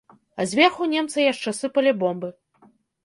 А зверху немцы яшчэ сыпалі бомбы.